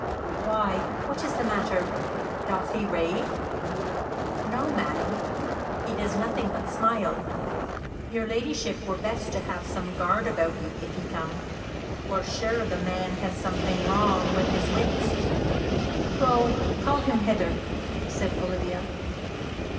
"Why, what is the matter? Doth he rave?" "No, madam, he does nothing but smile. Your ladyship were best to have some guard about you if he come; for, sure, the man has something wrong with his wits." "Go, call him hither," said Olivia.